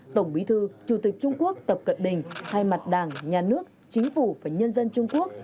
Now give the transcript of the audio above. tổng bí thư chủ tịch trung quốc tập cận bình thay mặt đảng nhà nước chính phủ và nhân dân trung quốc